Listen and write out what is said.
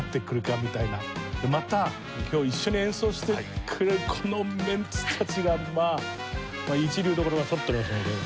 また今日一緒に演奏してくれるこのメンツたちがまあ一流どころがそろってますので。